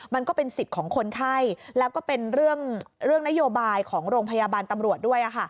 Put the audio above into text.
มันก็เป็นสิทธิ์ของคนไข้แล้วก็เป็นเรื่องนโยบายของโรงพยาบาลตำรวจด้วย